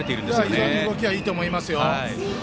非常に動きはいいと思いますよ。